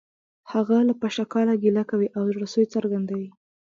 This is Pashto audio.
هغه له پشکاله ګیله کوي او زړه سوی څرګندوي